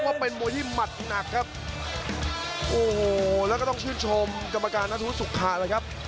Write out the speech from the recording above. ว่าเป็นมวยที่หมัดหนักครับโอ้โหแล้วก็ต้องชื่นชมกรรมการนัทธวุสุขาเลยครับ